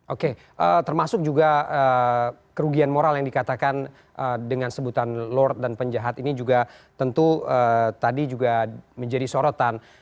oke termasuk juga kerugian moral yang dikatakan dengan sebutan lord dan penjahat ini juga tentu tadi juga menjadi sorotan